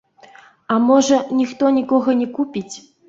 А можа, ніхто нікога не купіць.